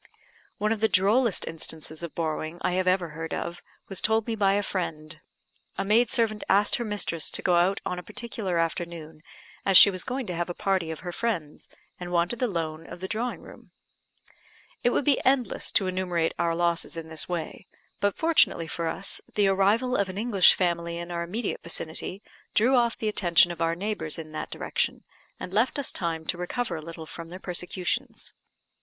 One of the drollest instances of borrowing I have ever heard of was told me by a friend. A maid servant asked her mistress to go out on a particular afternoon, as she was going to have a party of her friends, and wanted the loan of the drawing room. It would be endless to enumerate our losses in this way; but, fortunately for us, the arrival of an English family in our immediate vicinity drew off the attention of our neighbours in that direction, and left us time to recover a little from their persecutions.